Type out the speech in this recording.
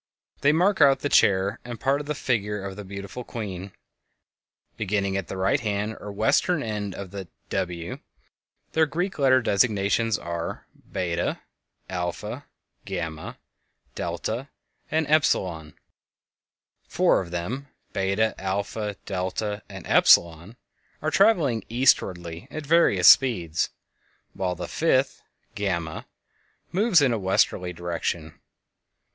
They mark out the chair and a part of the figure of the beautiful queen. Beginning at the right hand, or western, end of the "W," their Greek letter designations are: Beta (β), Alpha (α), Gamma (γ), Delta (δ), and Epsilon (ε). Four of them, Beta, Alpha, Delta, and Epsilon are traveling eastwardly at various speeds, while the fifth, Gamma, moves in a westerly direction.